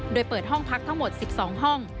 โดยเปิดห้องพักทั้งหมด๑๒ห้อง